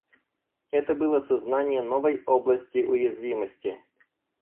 Это было сознание новой области уязвимости.